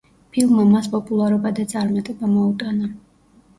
ფილმმა მას პოპულარობა და წარმატება მოუტანა.